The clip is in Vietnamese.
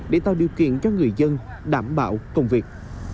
để tạo điều kiện cho người dân đảm bảo công việc